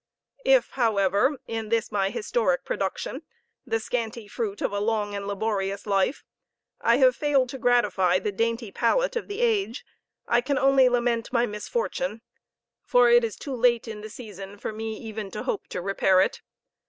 If, however, in this my historic production, the scanty fruit of a long and laborious life, I have failed to gratify the dainty palate of the age, I can only lament my misfortune, for it is too late in the season for me even to hope to repair it.